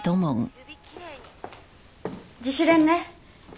自主練ね。